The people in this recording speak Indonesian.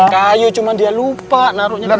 kayu cuman dia lupa naruhnya gimana